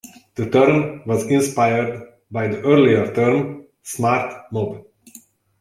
The term was inspired by the earlier term "smart mob".